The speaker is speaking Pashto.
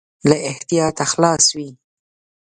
له احتیاجه خلاص وي.